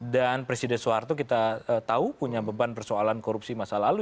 dan presiden soeharto kita tahu punya beban persoalan korupsi masa lalu